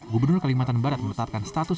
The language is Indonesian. gubernur kalimantan barat menetapkan status